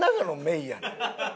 郁やねん。